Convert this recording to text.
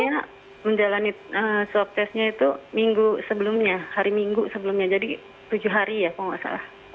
ya swab testnya itu hari minggu sebelumnya jadi tujuh hari ya kalau nggak salah